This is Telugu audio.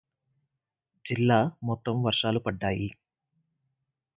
జిల్లా మొత్తం వర్షాలు పడ్డాయి.